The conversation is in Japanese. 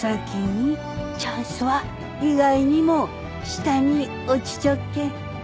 チャンスは意外にも下に落ちちょっけん。